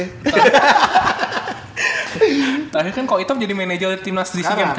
akhirnya kan kok itop jadi manajer timnas disini kan